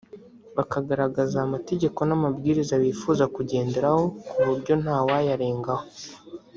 bakagaragaza amategeko n’amabwiriza bifuza kugenderaho ku buryo ntawayarengaho